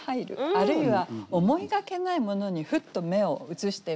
あるいは思いがけないものにふっと目を移してみる。